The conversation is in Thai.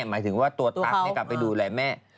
หมายถึงว่าตัวตั๊กกลับไปดูแลแม่